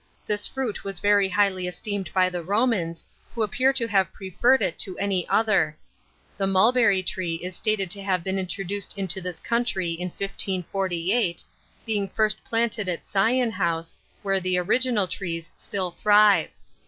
This fruit was very highly esteemed by the Romans, who appear to have preferred it to every other. The mulberry tree is stated to have been introduced into this country in 1548, being first planted at Sion House, where the original trees still thrive.